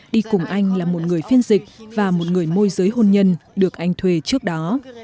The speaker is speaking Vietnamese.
đi cùng anh là một người phiên dịch và một người môi giới hôn nhân được anh thuê trước đó